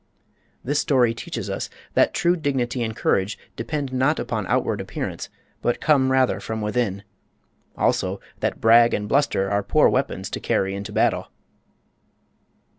This story teaches us that true dignity and courage depend not upon outward appearance, but come rather from within; also that brag and bluster are poor weapons to carry into battle.